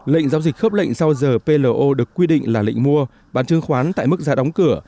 lệnh giao dịch khớp lệnh sau giờ plo được quy định là lệnh mua bán chứng khoán tại mức giá đóng cửa